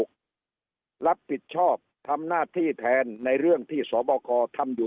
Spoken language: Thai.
รับผิดชอบทำหน้าที่แทนในเรื่องที่สบคทำอยู่